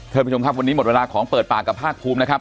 ท่านผู้ชมครับวันนี้หมดเวลาของเปิดปากกับภาคภูมินะครับ